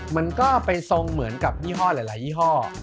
มันก็ไปทรงเหมือนกับยี่ห้อหลายยี่ห้อ